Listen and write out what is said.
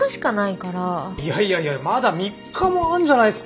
いやいやいやまだ３日もあるじゃないすか。